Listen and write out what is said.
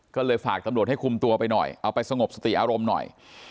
ก็เลยฝากตำรวจให้คุมตัวไปหน่อยเอาไปสงบสติอารมณ์หน่อย